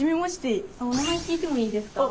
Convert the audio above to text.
お名前聞いてもいいですか？